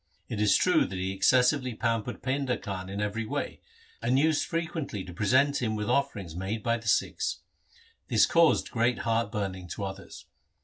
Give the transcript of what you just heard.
It is true that he excessively pampered Painda Khan in every way, and used fre quently to present him with offerings made by the Sikhs. This caused great heart burning to others.